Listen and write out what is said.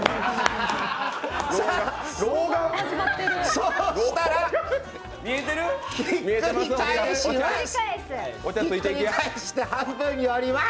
そしたらひっくり返して半分に折ります。